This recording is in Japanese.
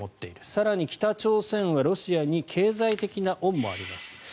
更に、北朝鮮はロシアに経済的な恩もあります。